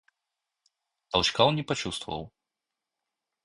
Толчка он не почувствовал.